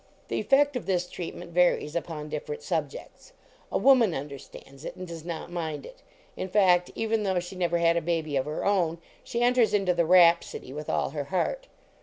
The effect of this treatment varies upon different subjects. A woman under>tands it, and does not mind it; in fact, even though she never had a baby of her own, she enters into the rhapsody with all her heart.